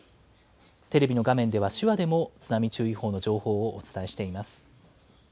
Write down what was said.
テレビの画面では、手話でも津波注意報の情報をお伝えしています。